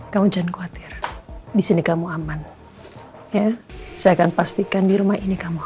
kamu jangan khawatir disini kamu aman saya akan pastikan di rumah ini kamu